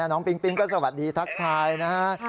ปิ๊งปิ๊งก็สวัสดีทักทายนะฮะ